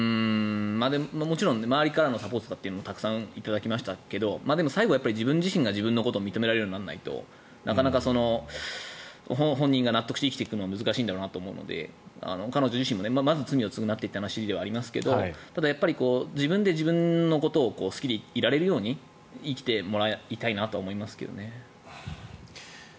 もちろん周りからのサポートとかたくさん頂きましたがでも最後は自分自身が自分のことを認められるようにならないとなかなか本人が納得して生きていくのは難しいんだろうなと思うんですが彼女自身もまずは罪を償ってというのはあると思いますがただ、自分で自分のことを好きでいられるように生きてもらいたいなと思いますけどね。